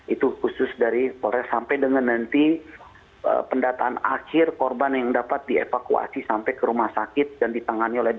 itu khusus dari polres sampai dengan nanti pendataan akhir korban yang dapat dievakuasi sampai ke rumah sakit dan ditangani oleh dp